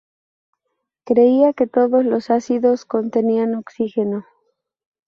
Creía que todos los ácidos contenían oxígeno.